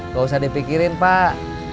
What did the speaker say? gak usah dipikirin pak